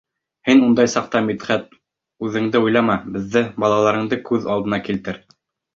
Һин ундай саҡта, Мидхәт, үҙеңде уйлама, беҙҙе, балаларыңды күҙ алдына килтер.